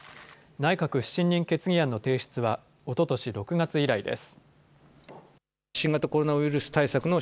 内閣不信任決議案の提出はおととし６月以来です。